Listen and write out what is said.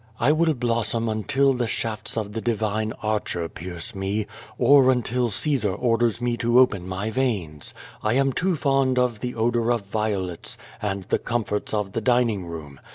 I will blossom until the shafts of the divine archer pierce me, or until Caesar orders me to open my veins. I am too fond of the odor of violets, and the comforts of the dining room.